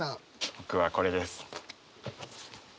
僕はこれです。